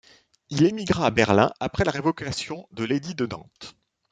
Il émigra à Berlin après la révocation de l'édit de Nantes.